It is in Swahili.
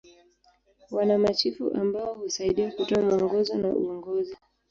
Wana machifu ambao husaidia kutoa mwongozo na uongozi.